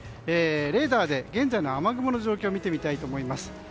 レーダーで現在の雨雲の状況見てみたいと思います。